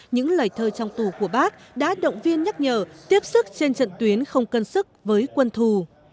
những lời thơ trong tù của bác đã động viên nhắc nhở tiếp sức trên trận tuyến không cân sức với quân thù